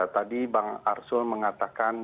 tadi bang arsul mengatakan